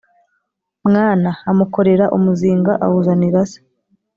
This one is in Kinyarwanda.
mwana”. Amukorera umuzinga awuzanira se.